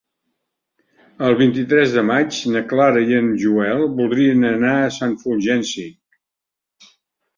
El vint-i-tres de maig na Clara i en Joel voldrien anar a Sant Fulgenci.